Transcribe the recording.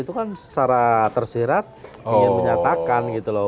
itu kan secara tersirat ingin menyatakan gitu loh